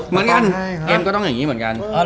เหมือนกันเกมก็ต้องอย่างนี้เหมือนกัน